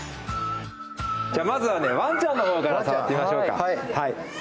まずはワンちゃんの方から触ってみましょうか。